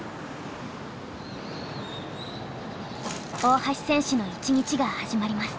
大橋選手の一日が始まります。